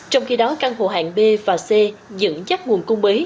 trong khi đó căn hộ hàng b và c dựng dắt nguồn cung mấy